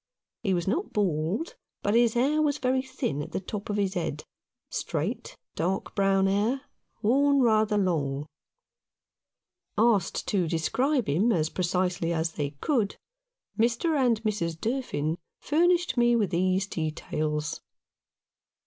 He was not bald, but his hair was very thin at the top of his head, straight, dark brown hair, worn rather long. Asked to describe him as precisely as they could, Mr. and Mrs. Durfin furnished me with these details.